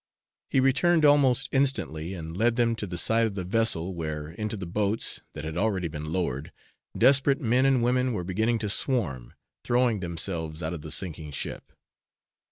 He returned almost instantly, and led them to the side of the vessel, where, into the boats, that had already been lowered, desperate men and women were beginning to swarm, throwing themselves out of the sinking ship.